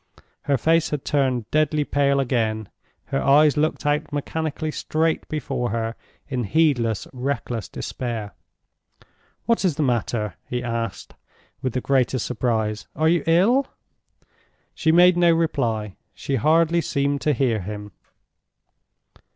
Her face had turned deadly pale again; her eyes looked out mechanically straight before her in heedless, reckless despair. "What is the matter?" he asked, with the greatest surprise. "Are you ill?" She made no reply; she hardly seemed to hear him.